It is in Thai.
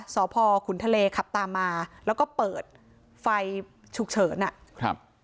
สพขุนทะเลขับตามมาแล้วก็เปิดไฟฉุกเฉินอ่ะครับ